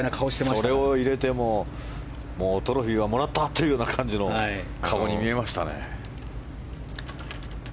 それを入れてトロフィーはもらったという感じの顔に見えましたね。